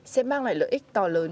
sẽ mang lại lợi ích to lớn